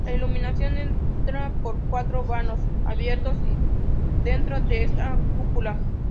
La iluminación entra por cuatro vanos abiertos dentro de esta cúpula.